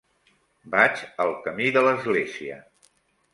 Vaig al camí de l'Església.